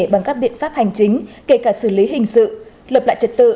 bằng các biện pháp hành chính kể cả xử lý hình sự lập lại trật tự